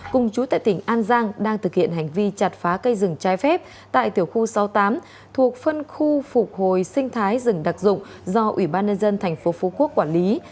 cùng chú tại tỉnh an giang đang thực hiện hành vi chặt phá cây rừng trái phép tại tiểu khu sáu mươi tám thuộc phân khu phục hồi sinh thái rừng đặc dụng do ủy ban nhân dân tp phú quốc quản lý